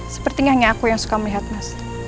sepertinya hanya aku yang suka melihat mas